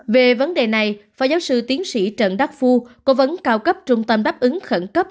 về vấn đề này phó giáo sư tiến sĩ trần đắc phu cố vấn cao cấp trung tâm đáp ứng khẩn cấp